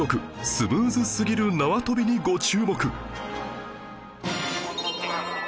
スムーズすぎる縄跳びにご注目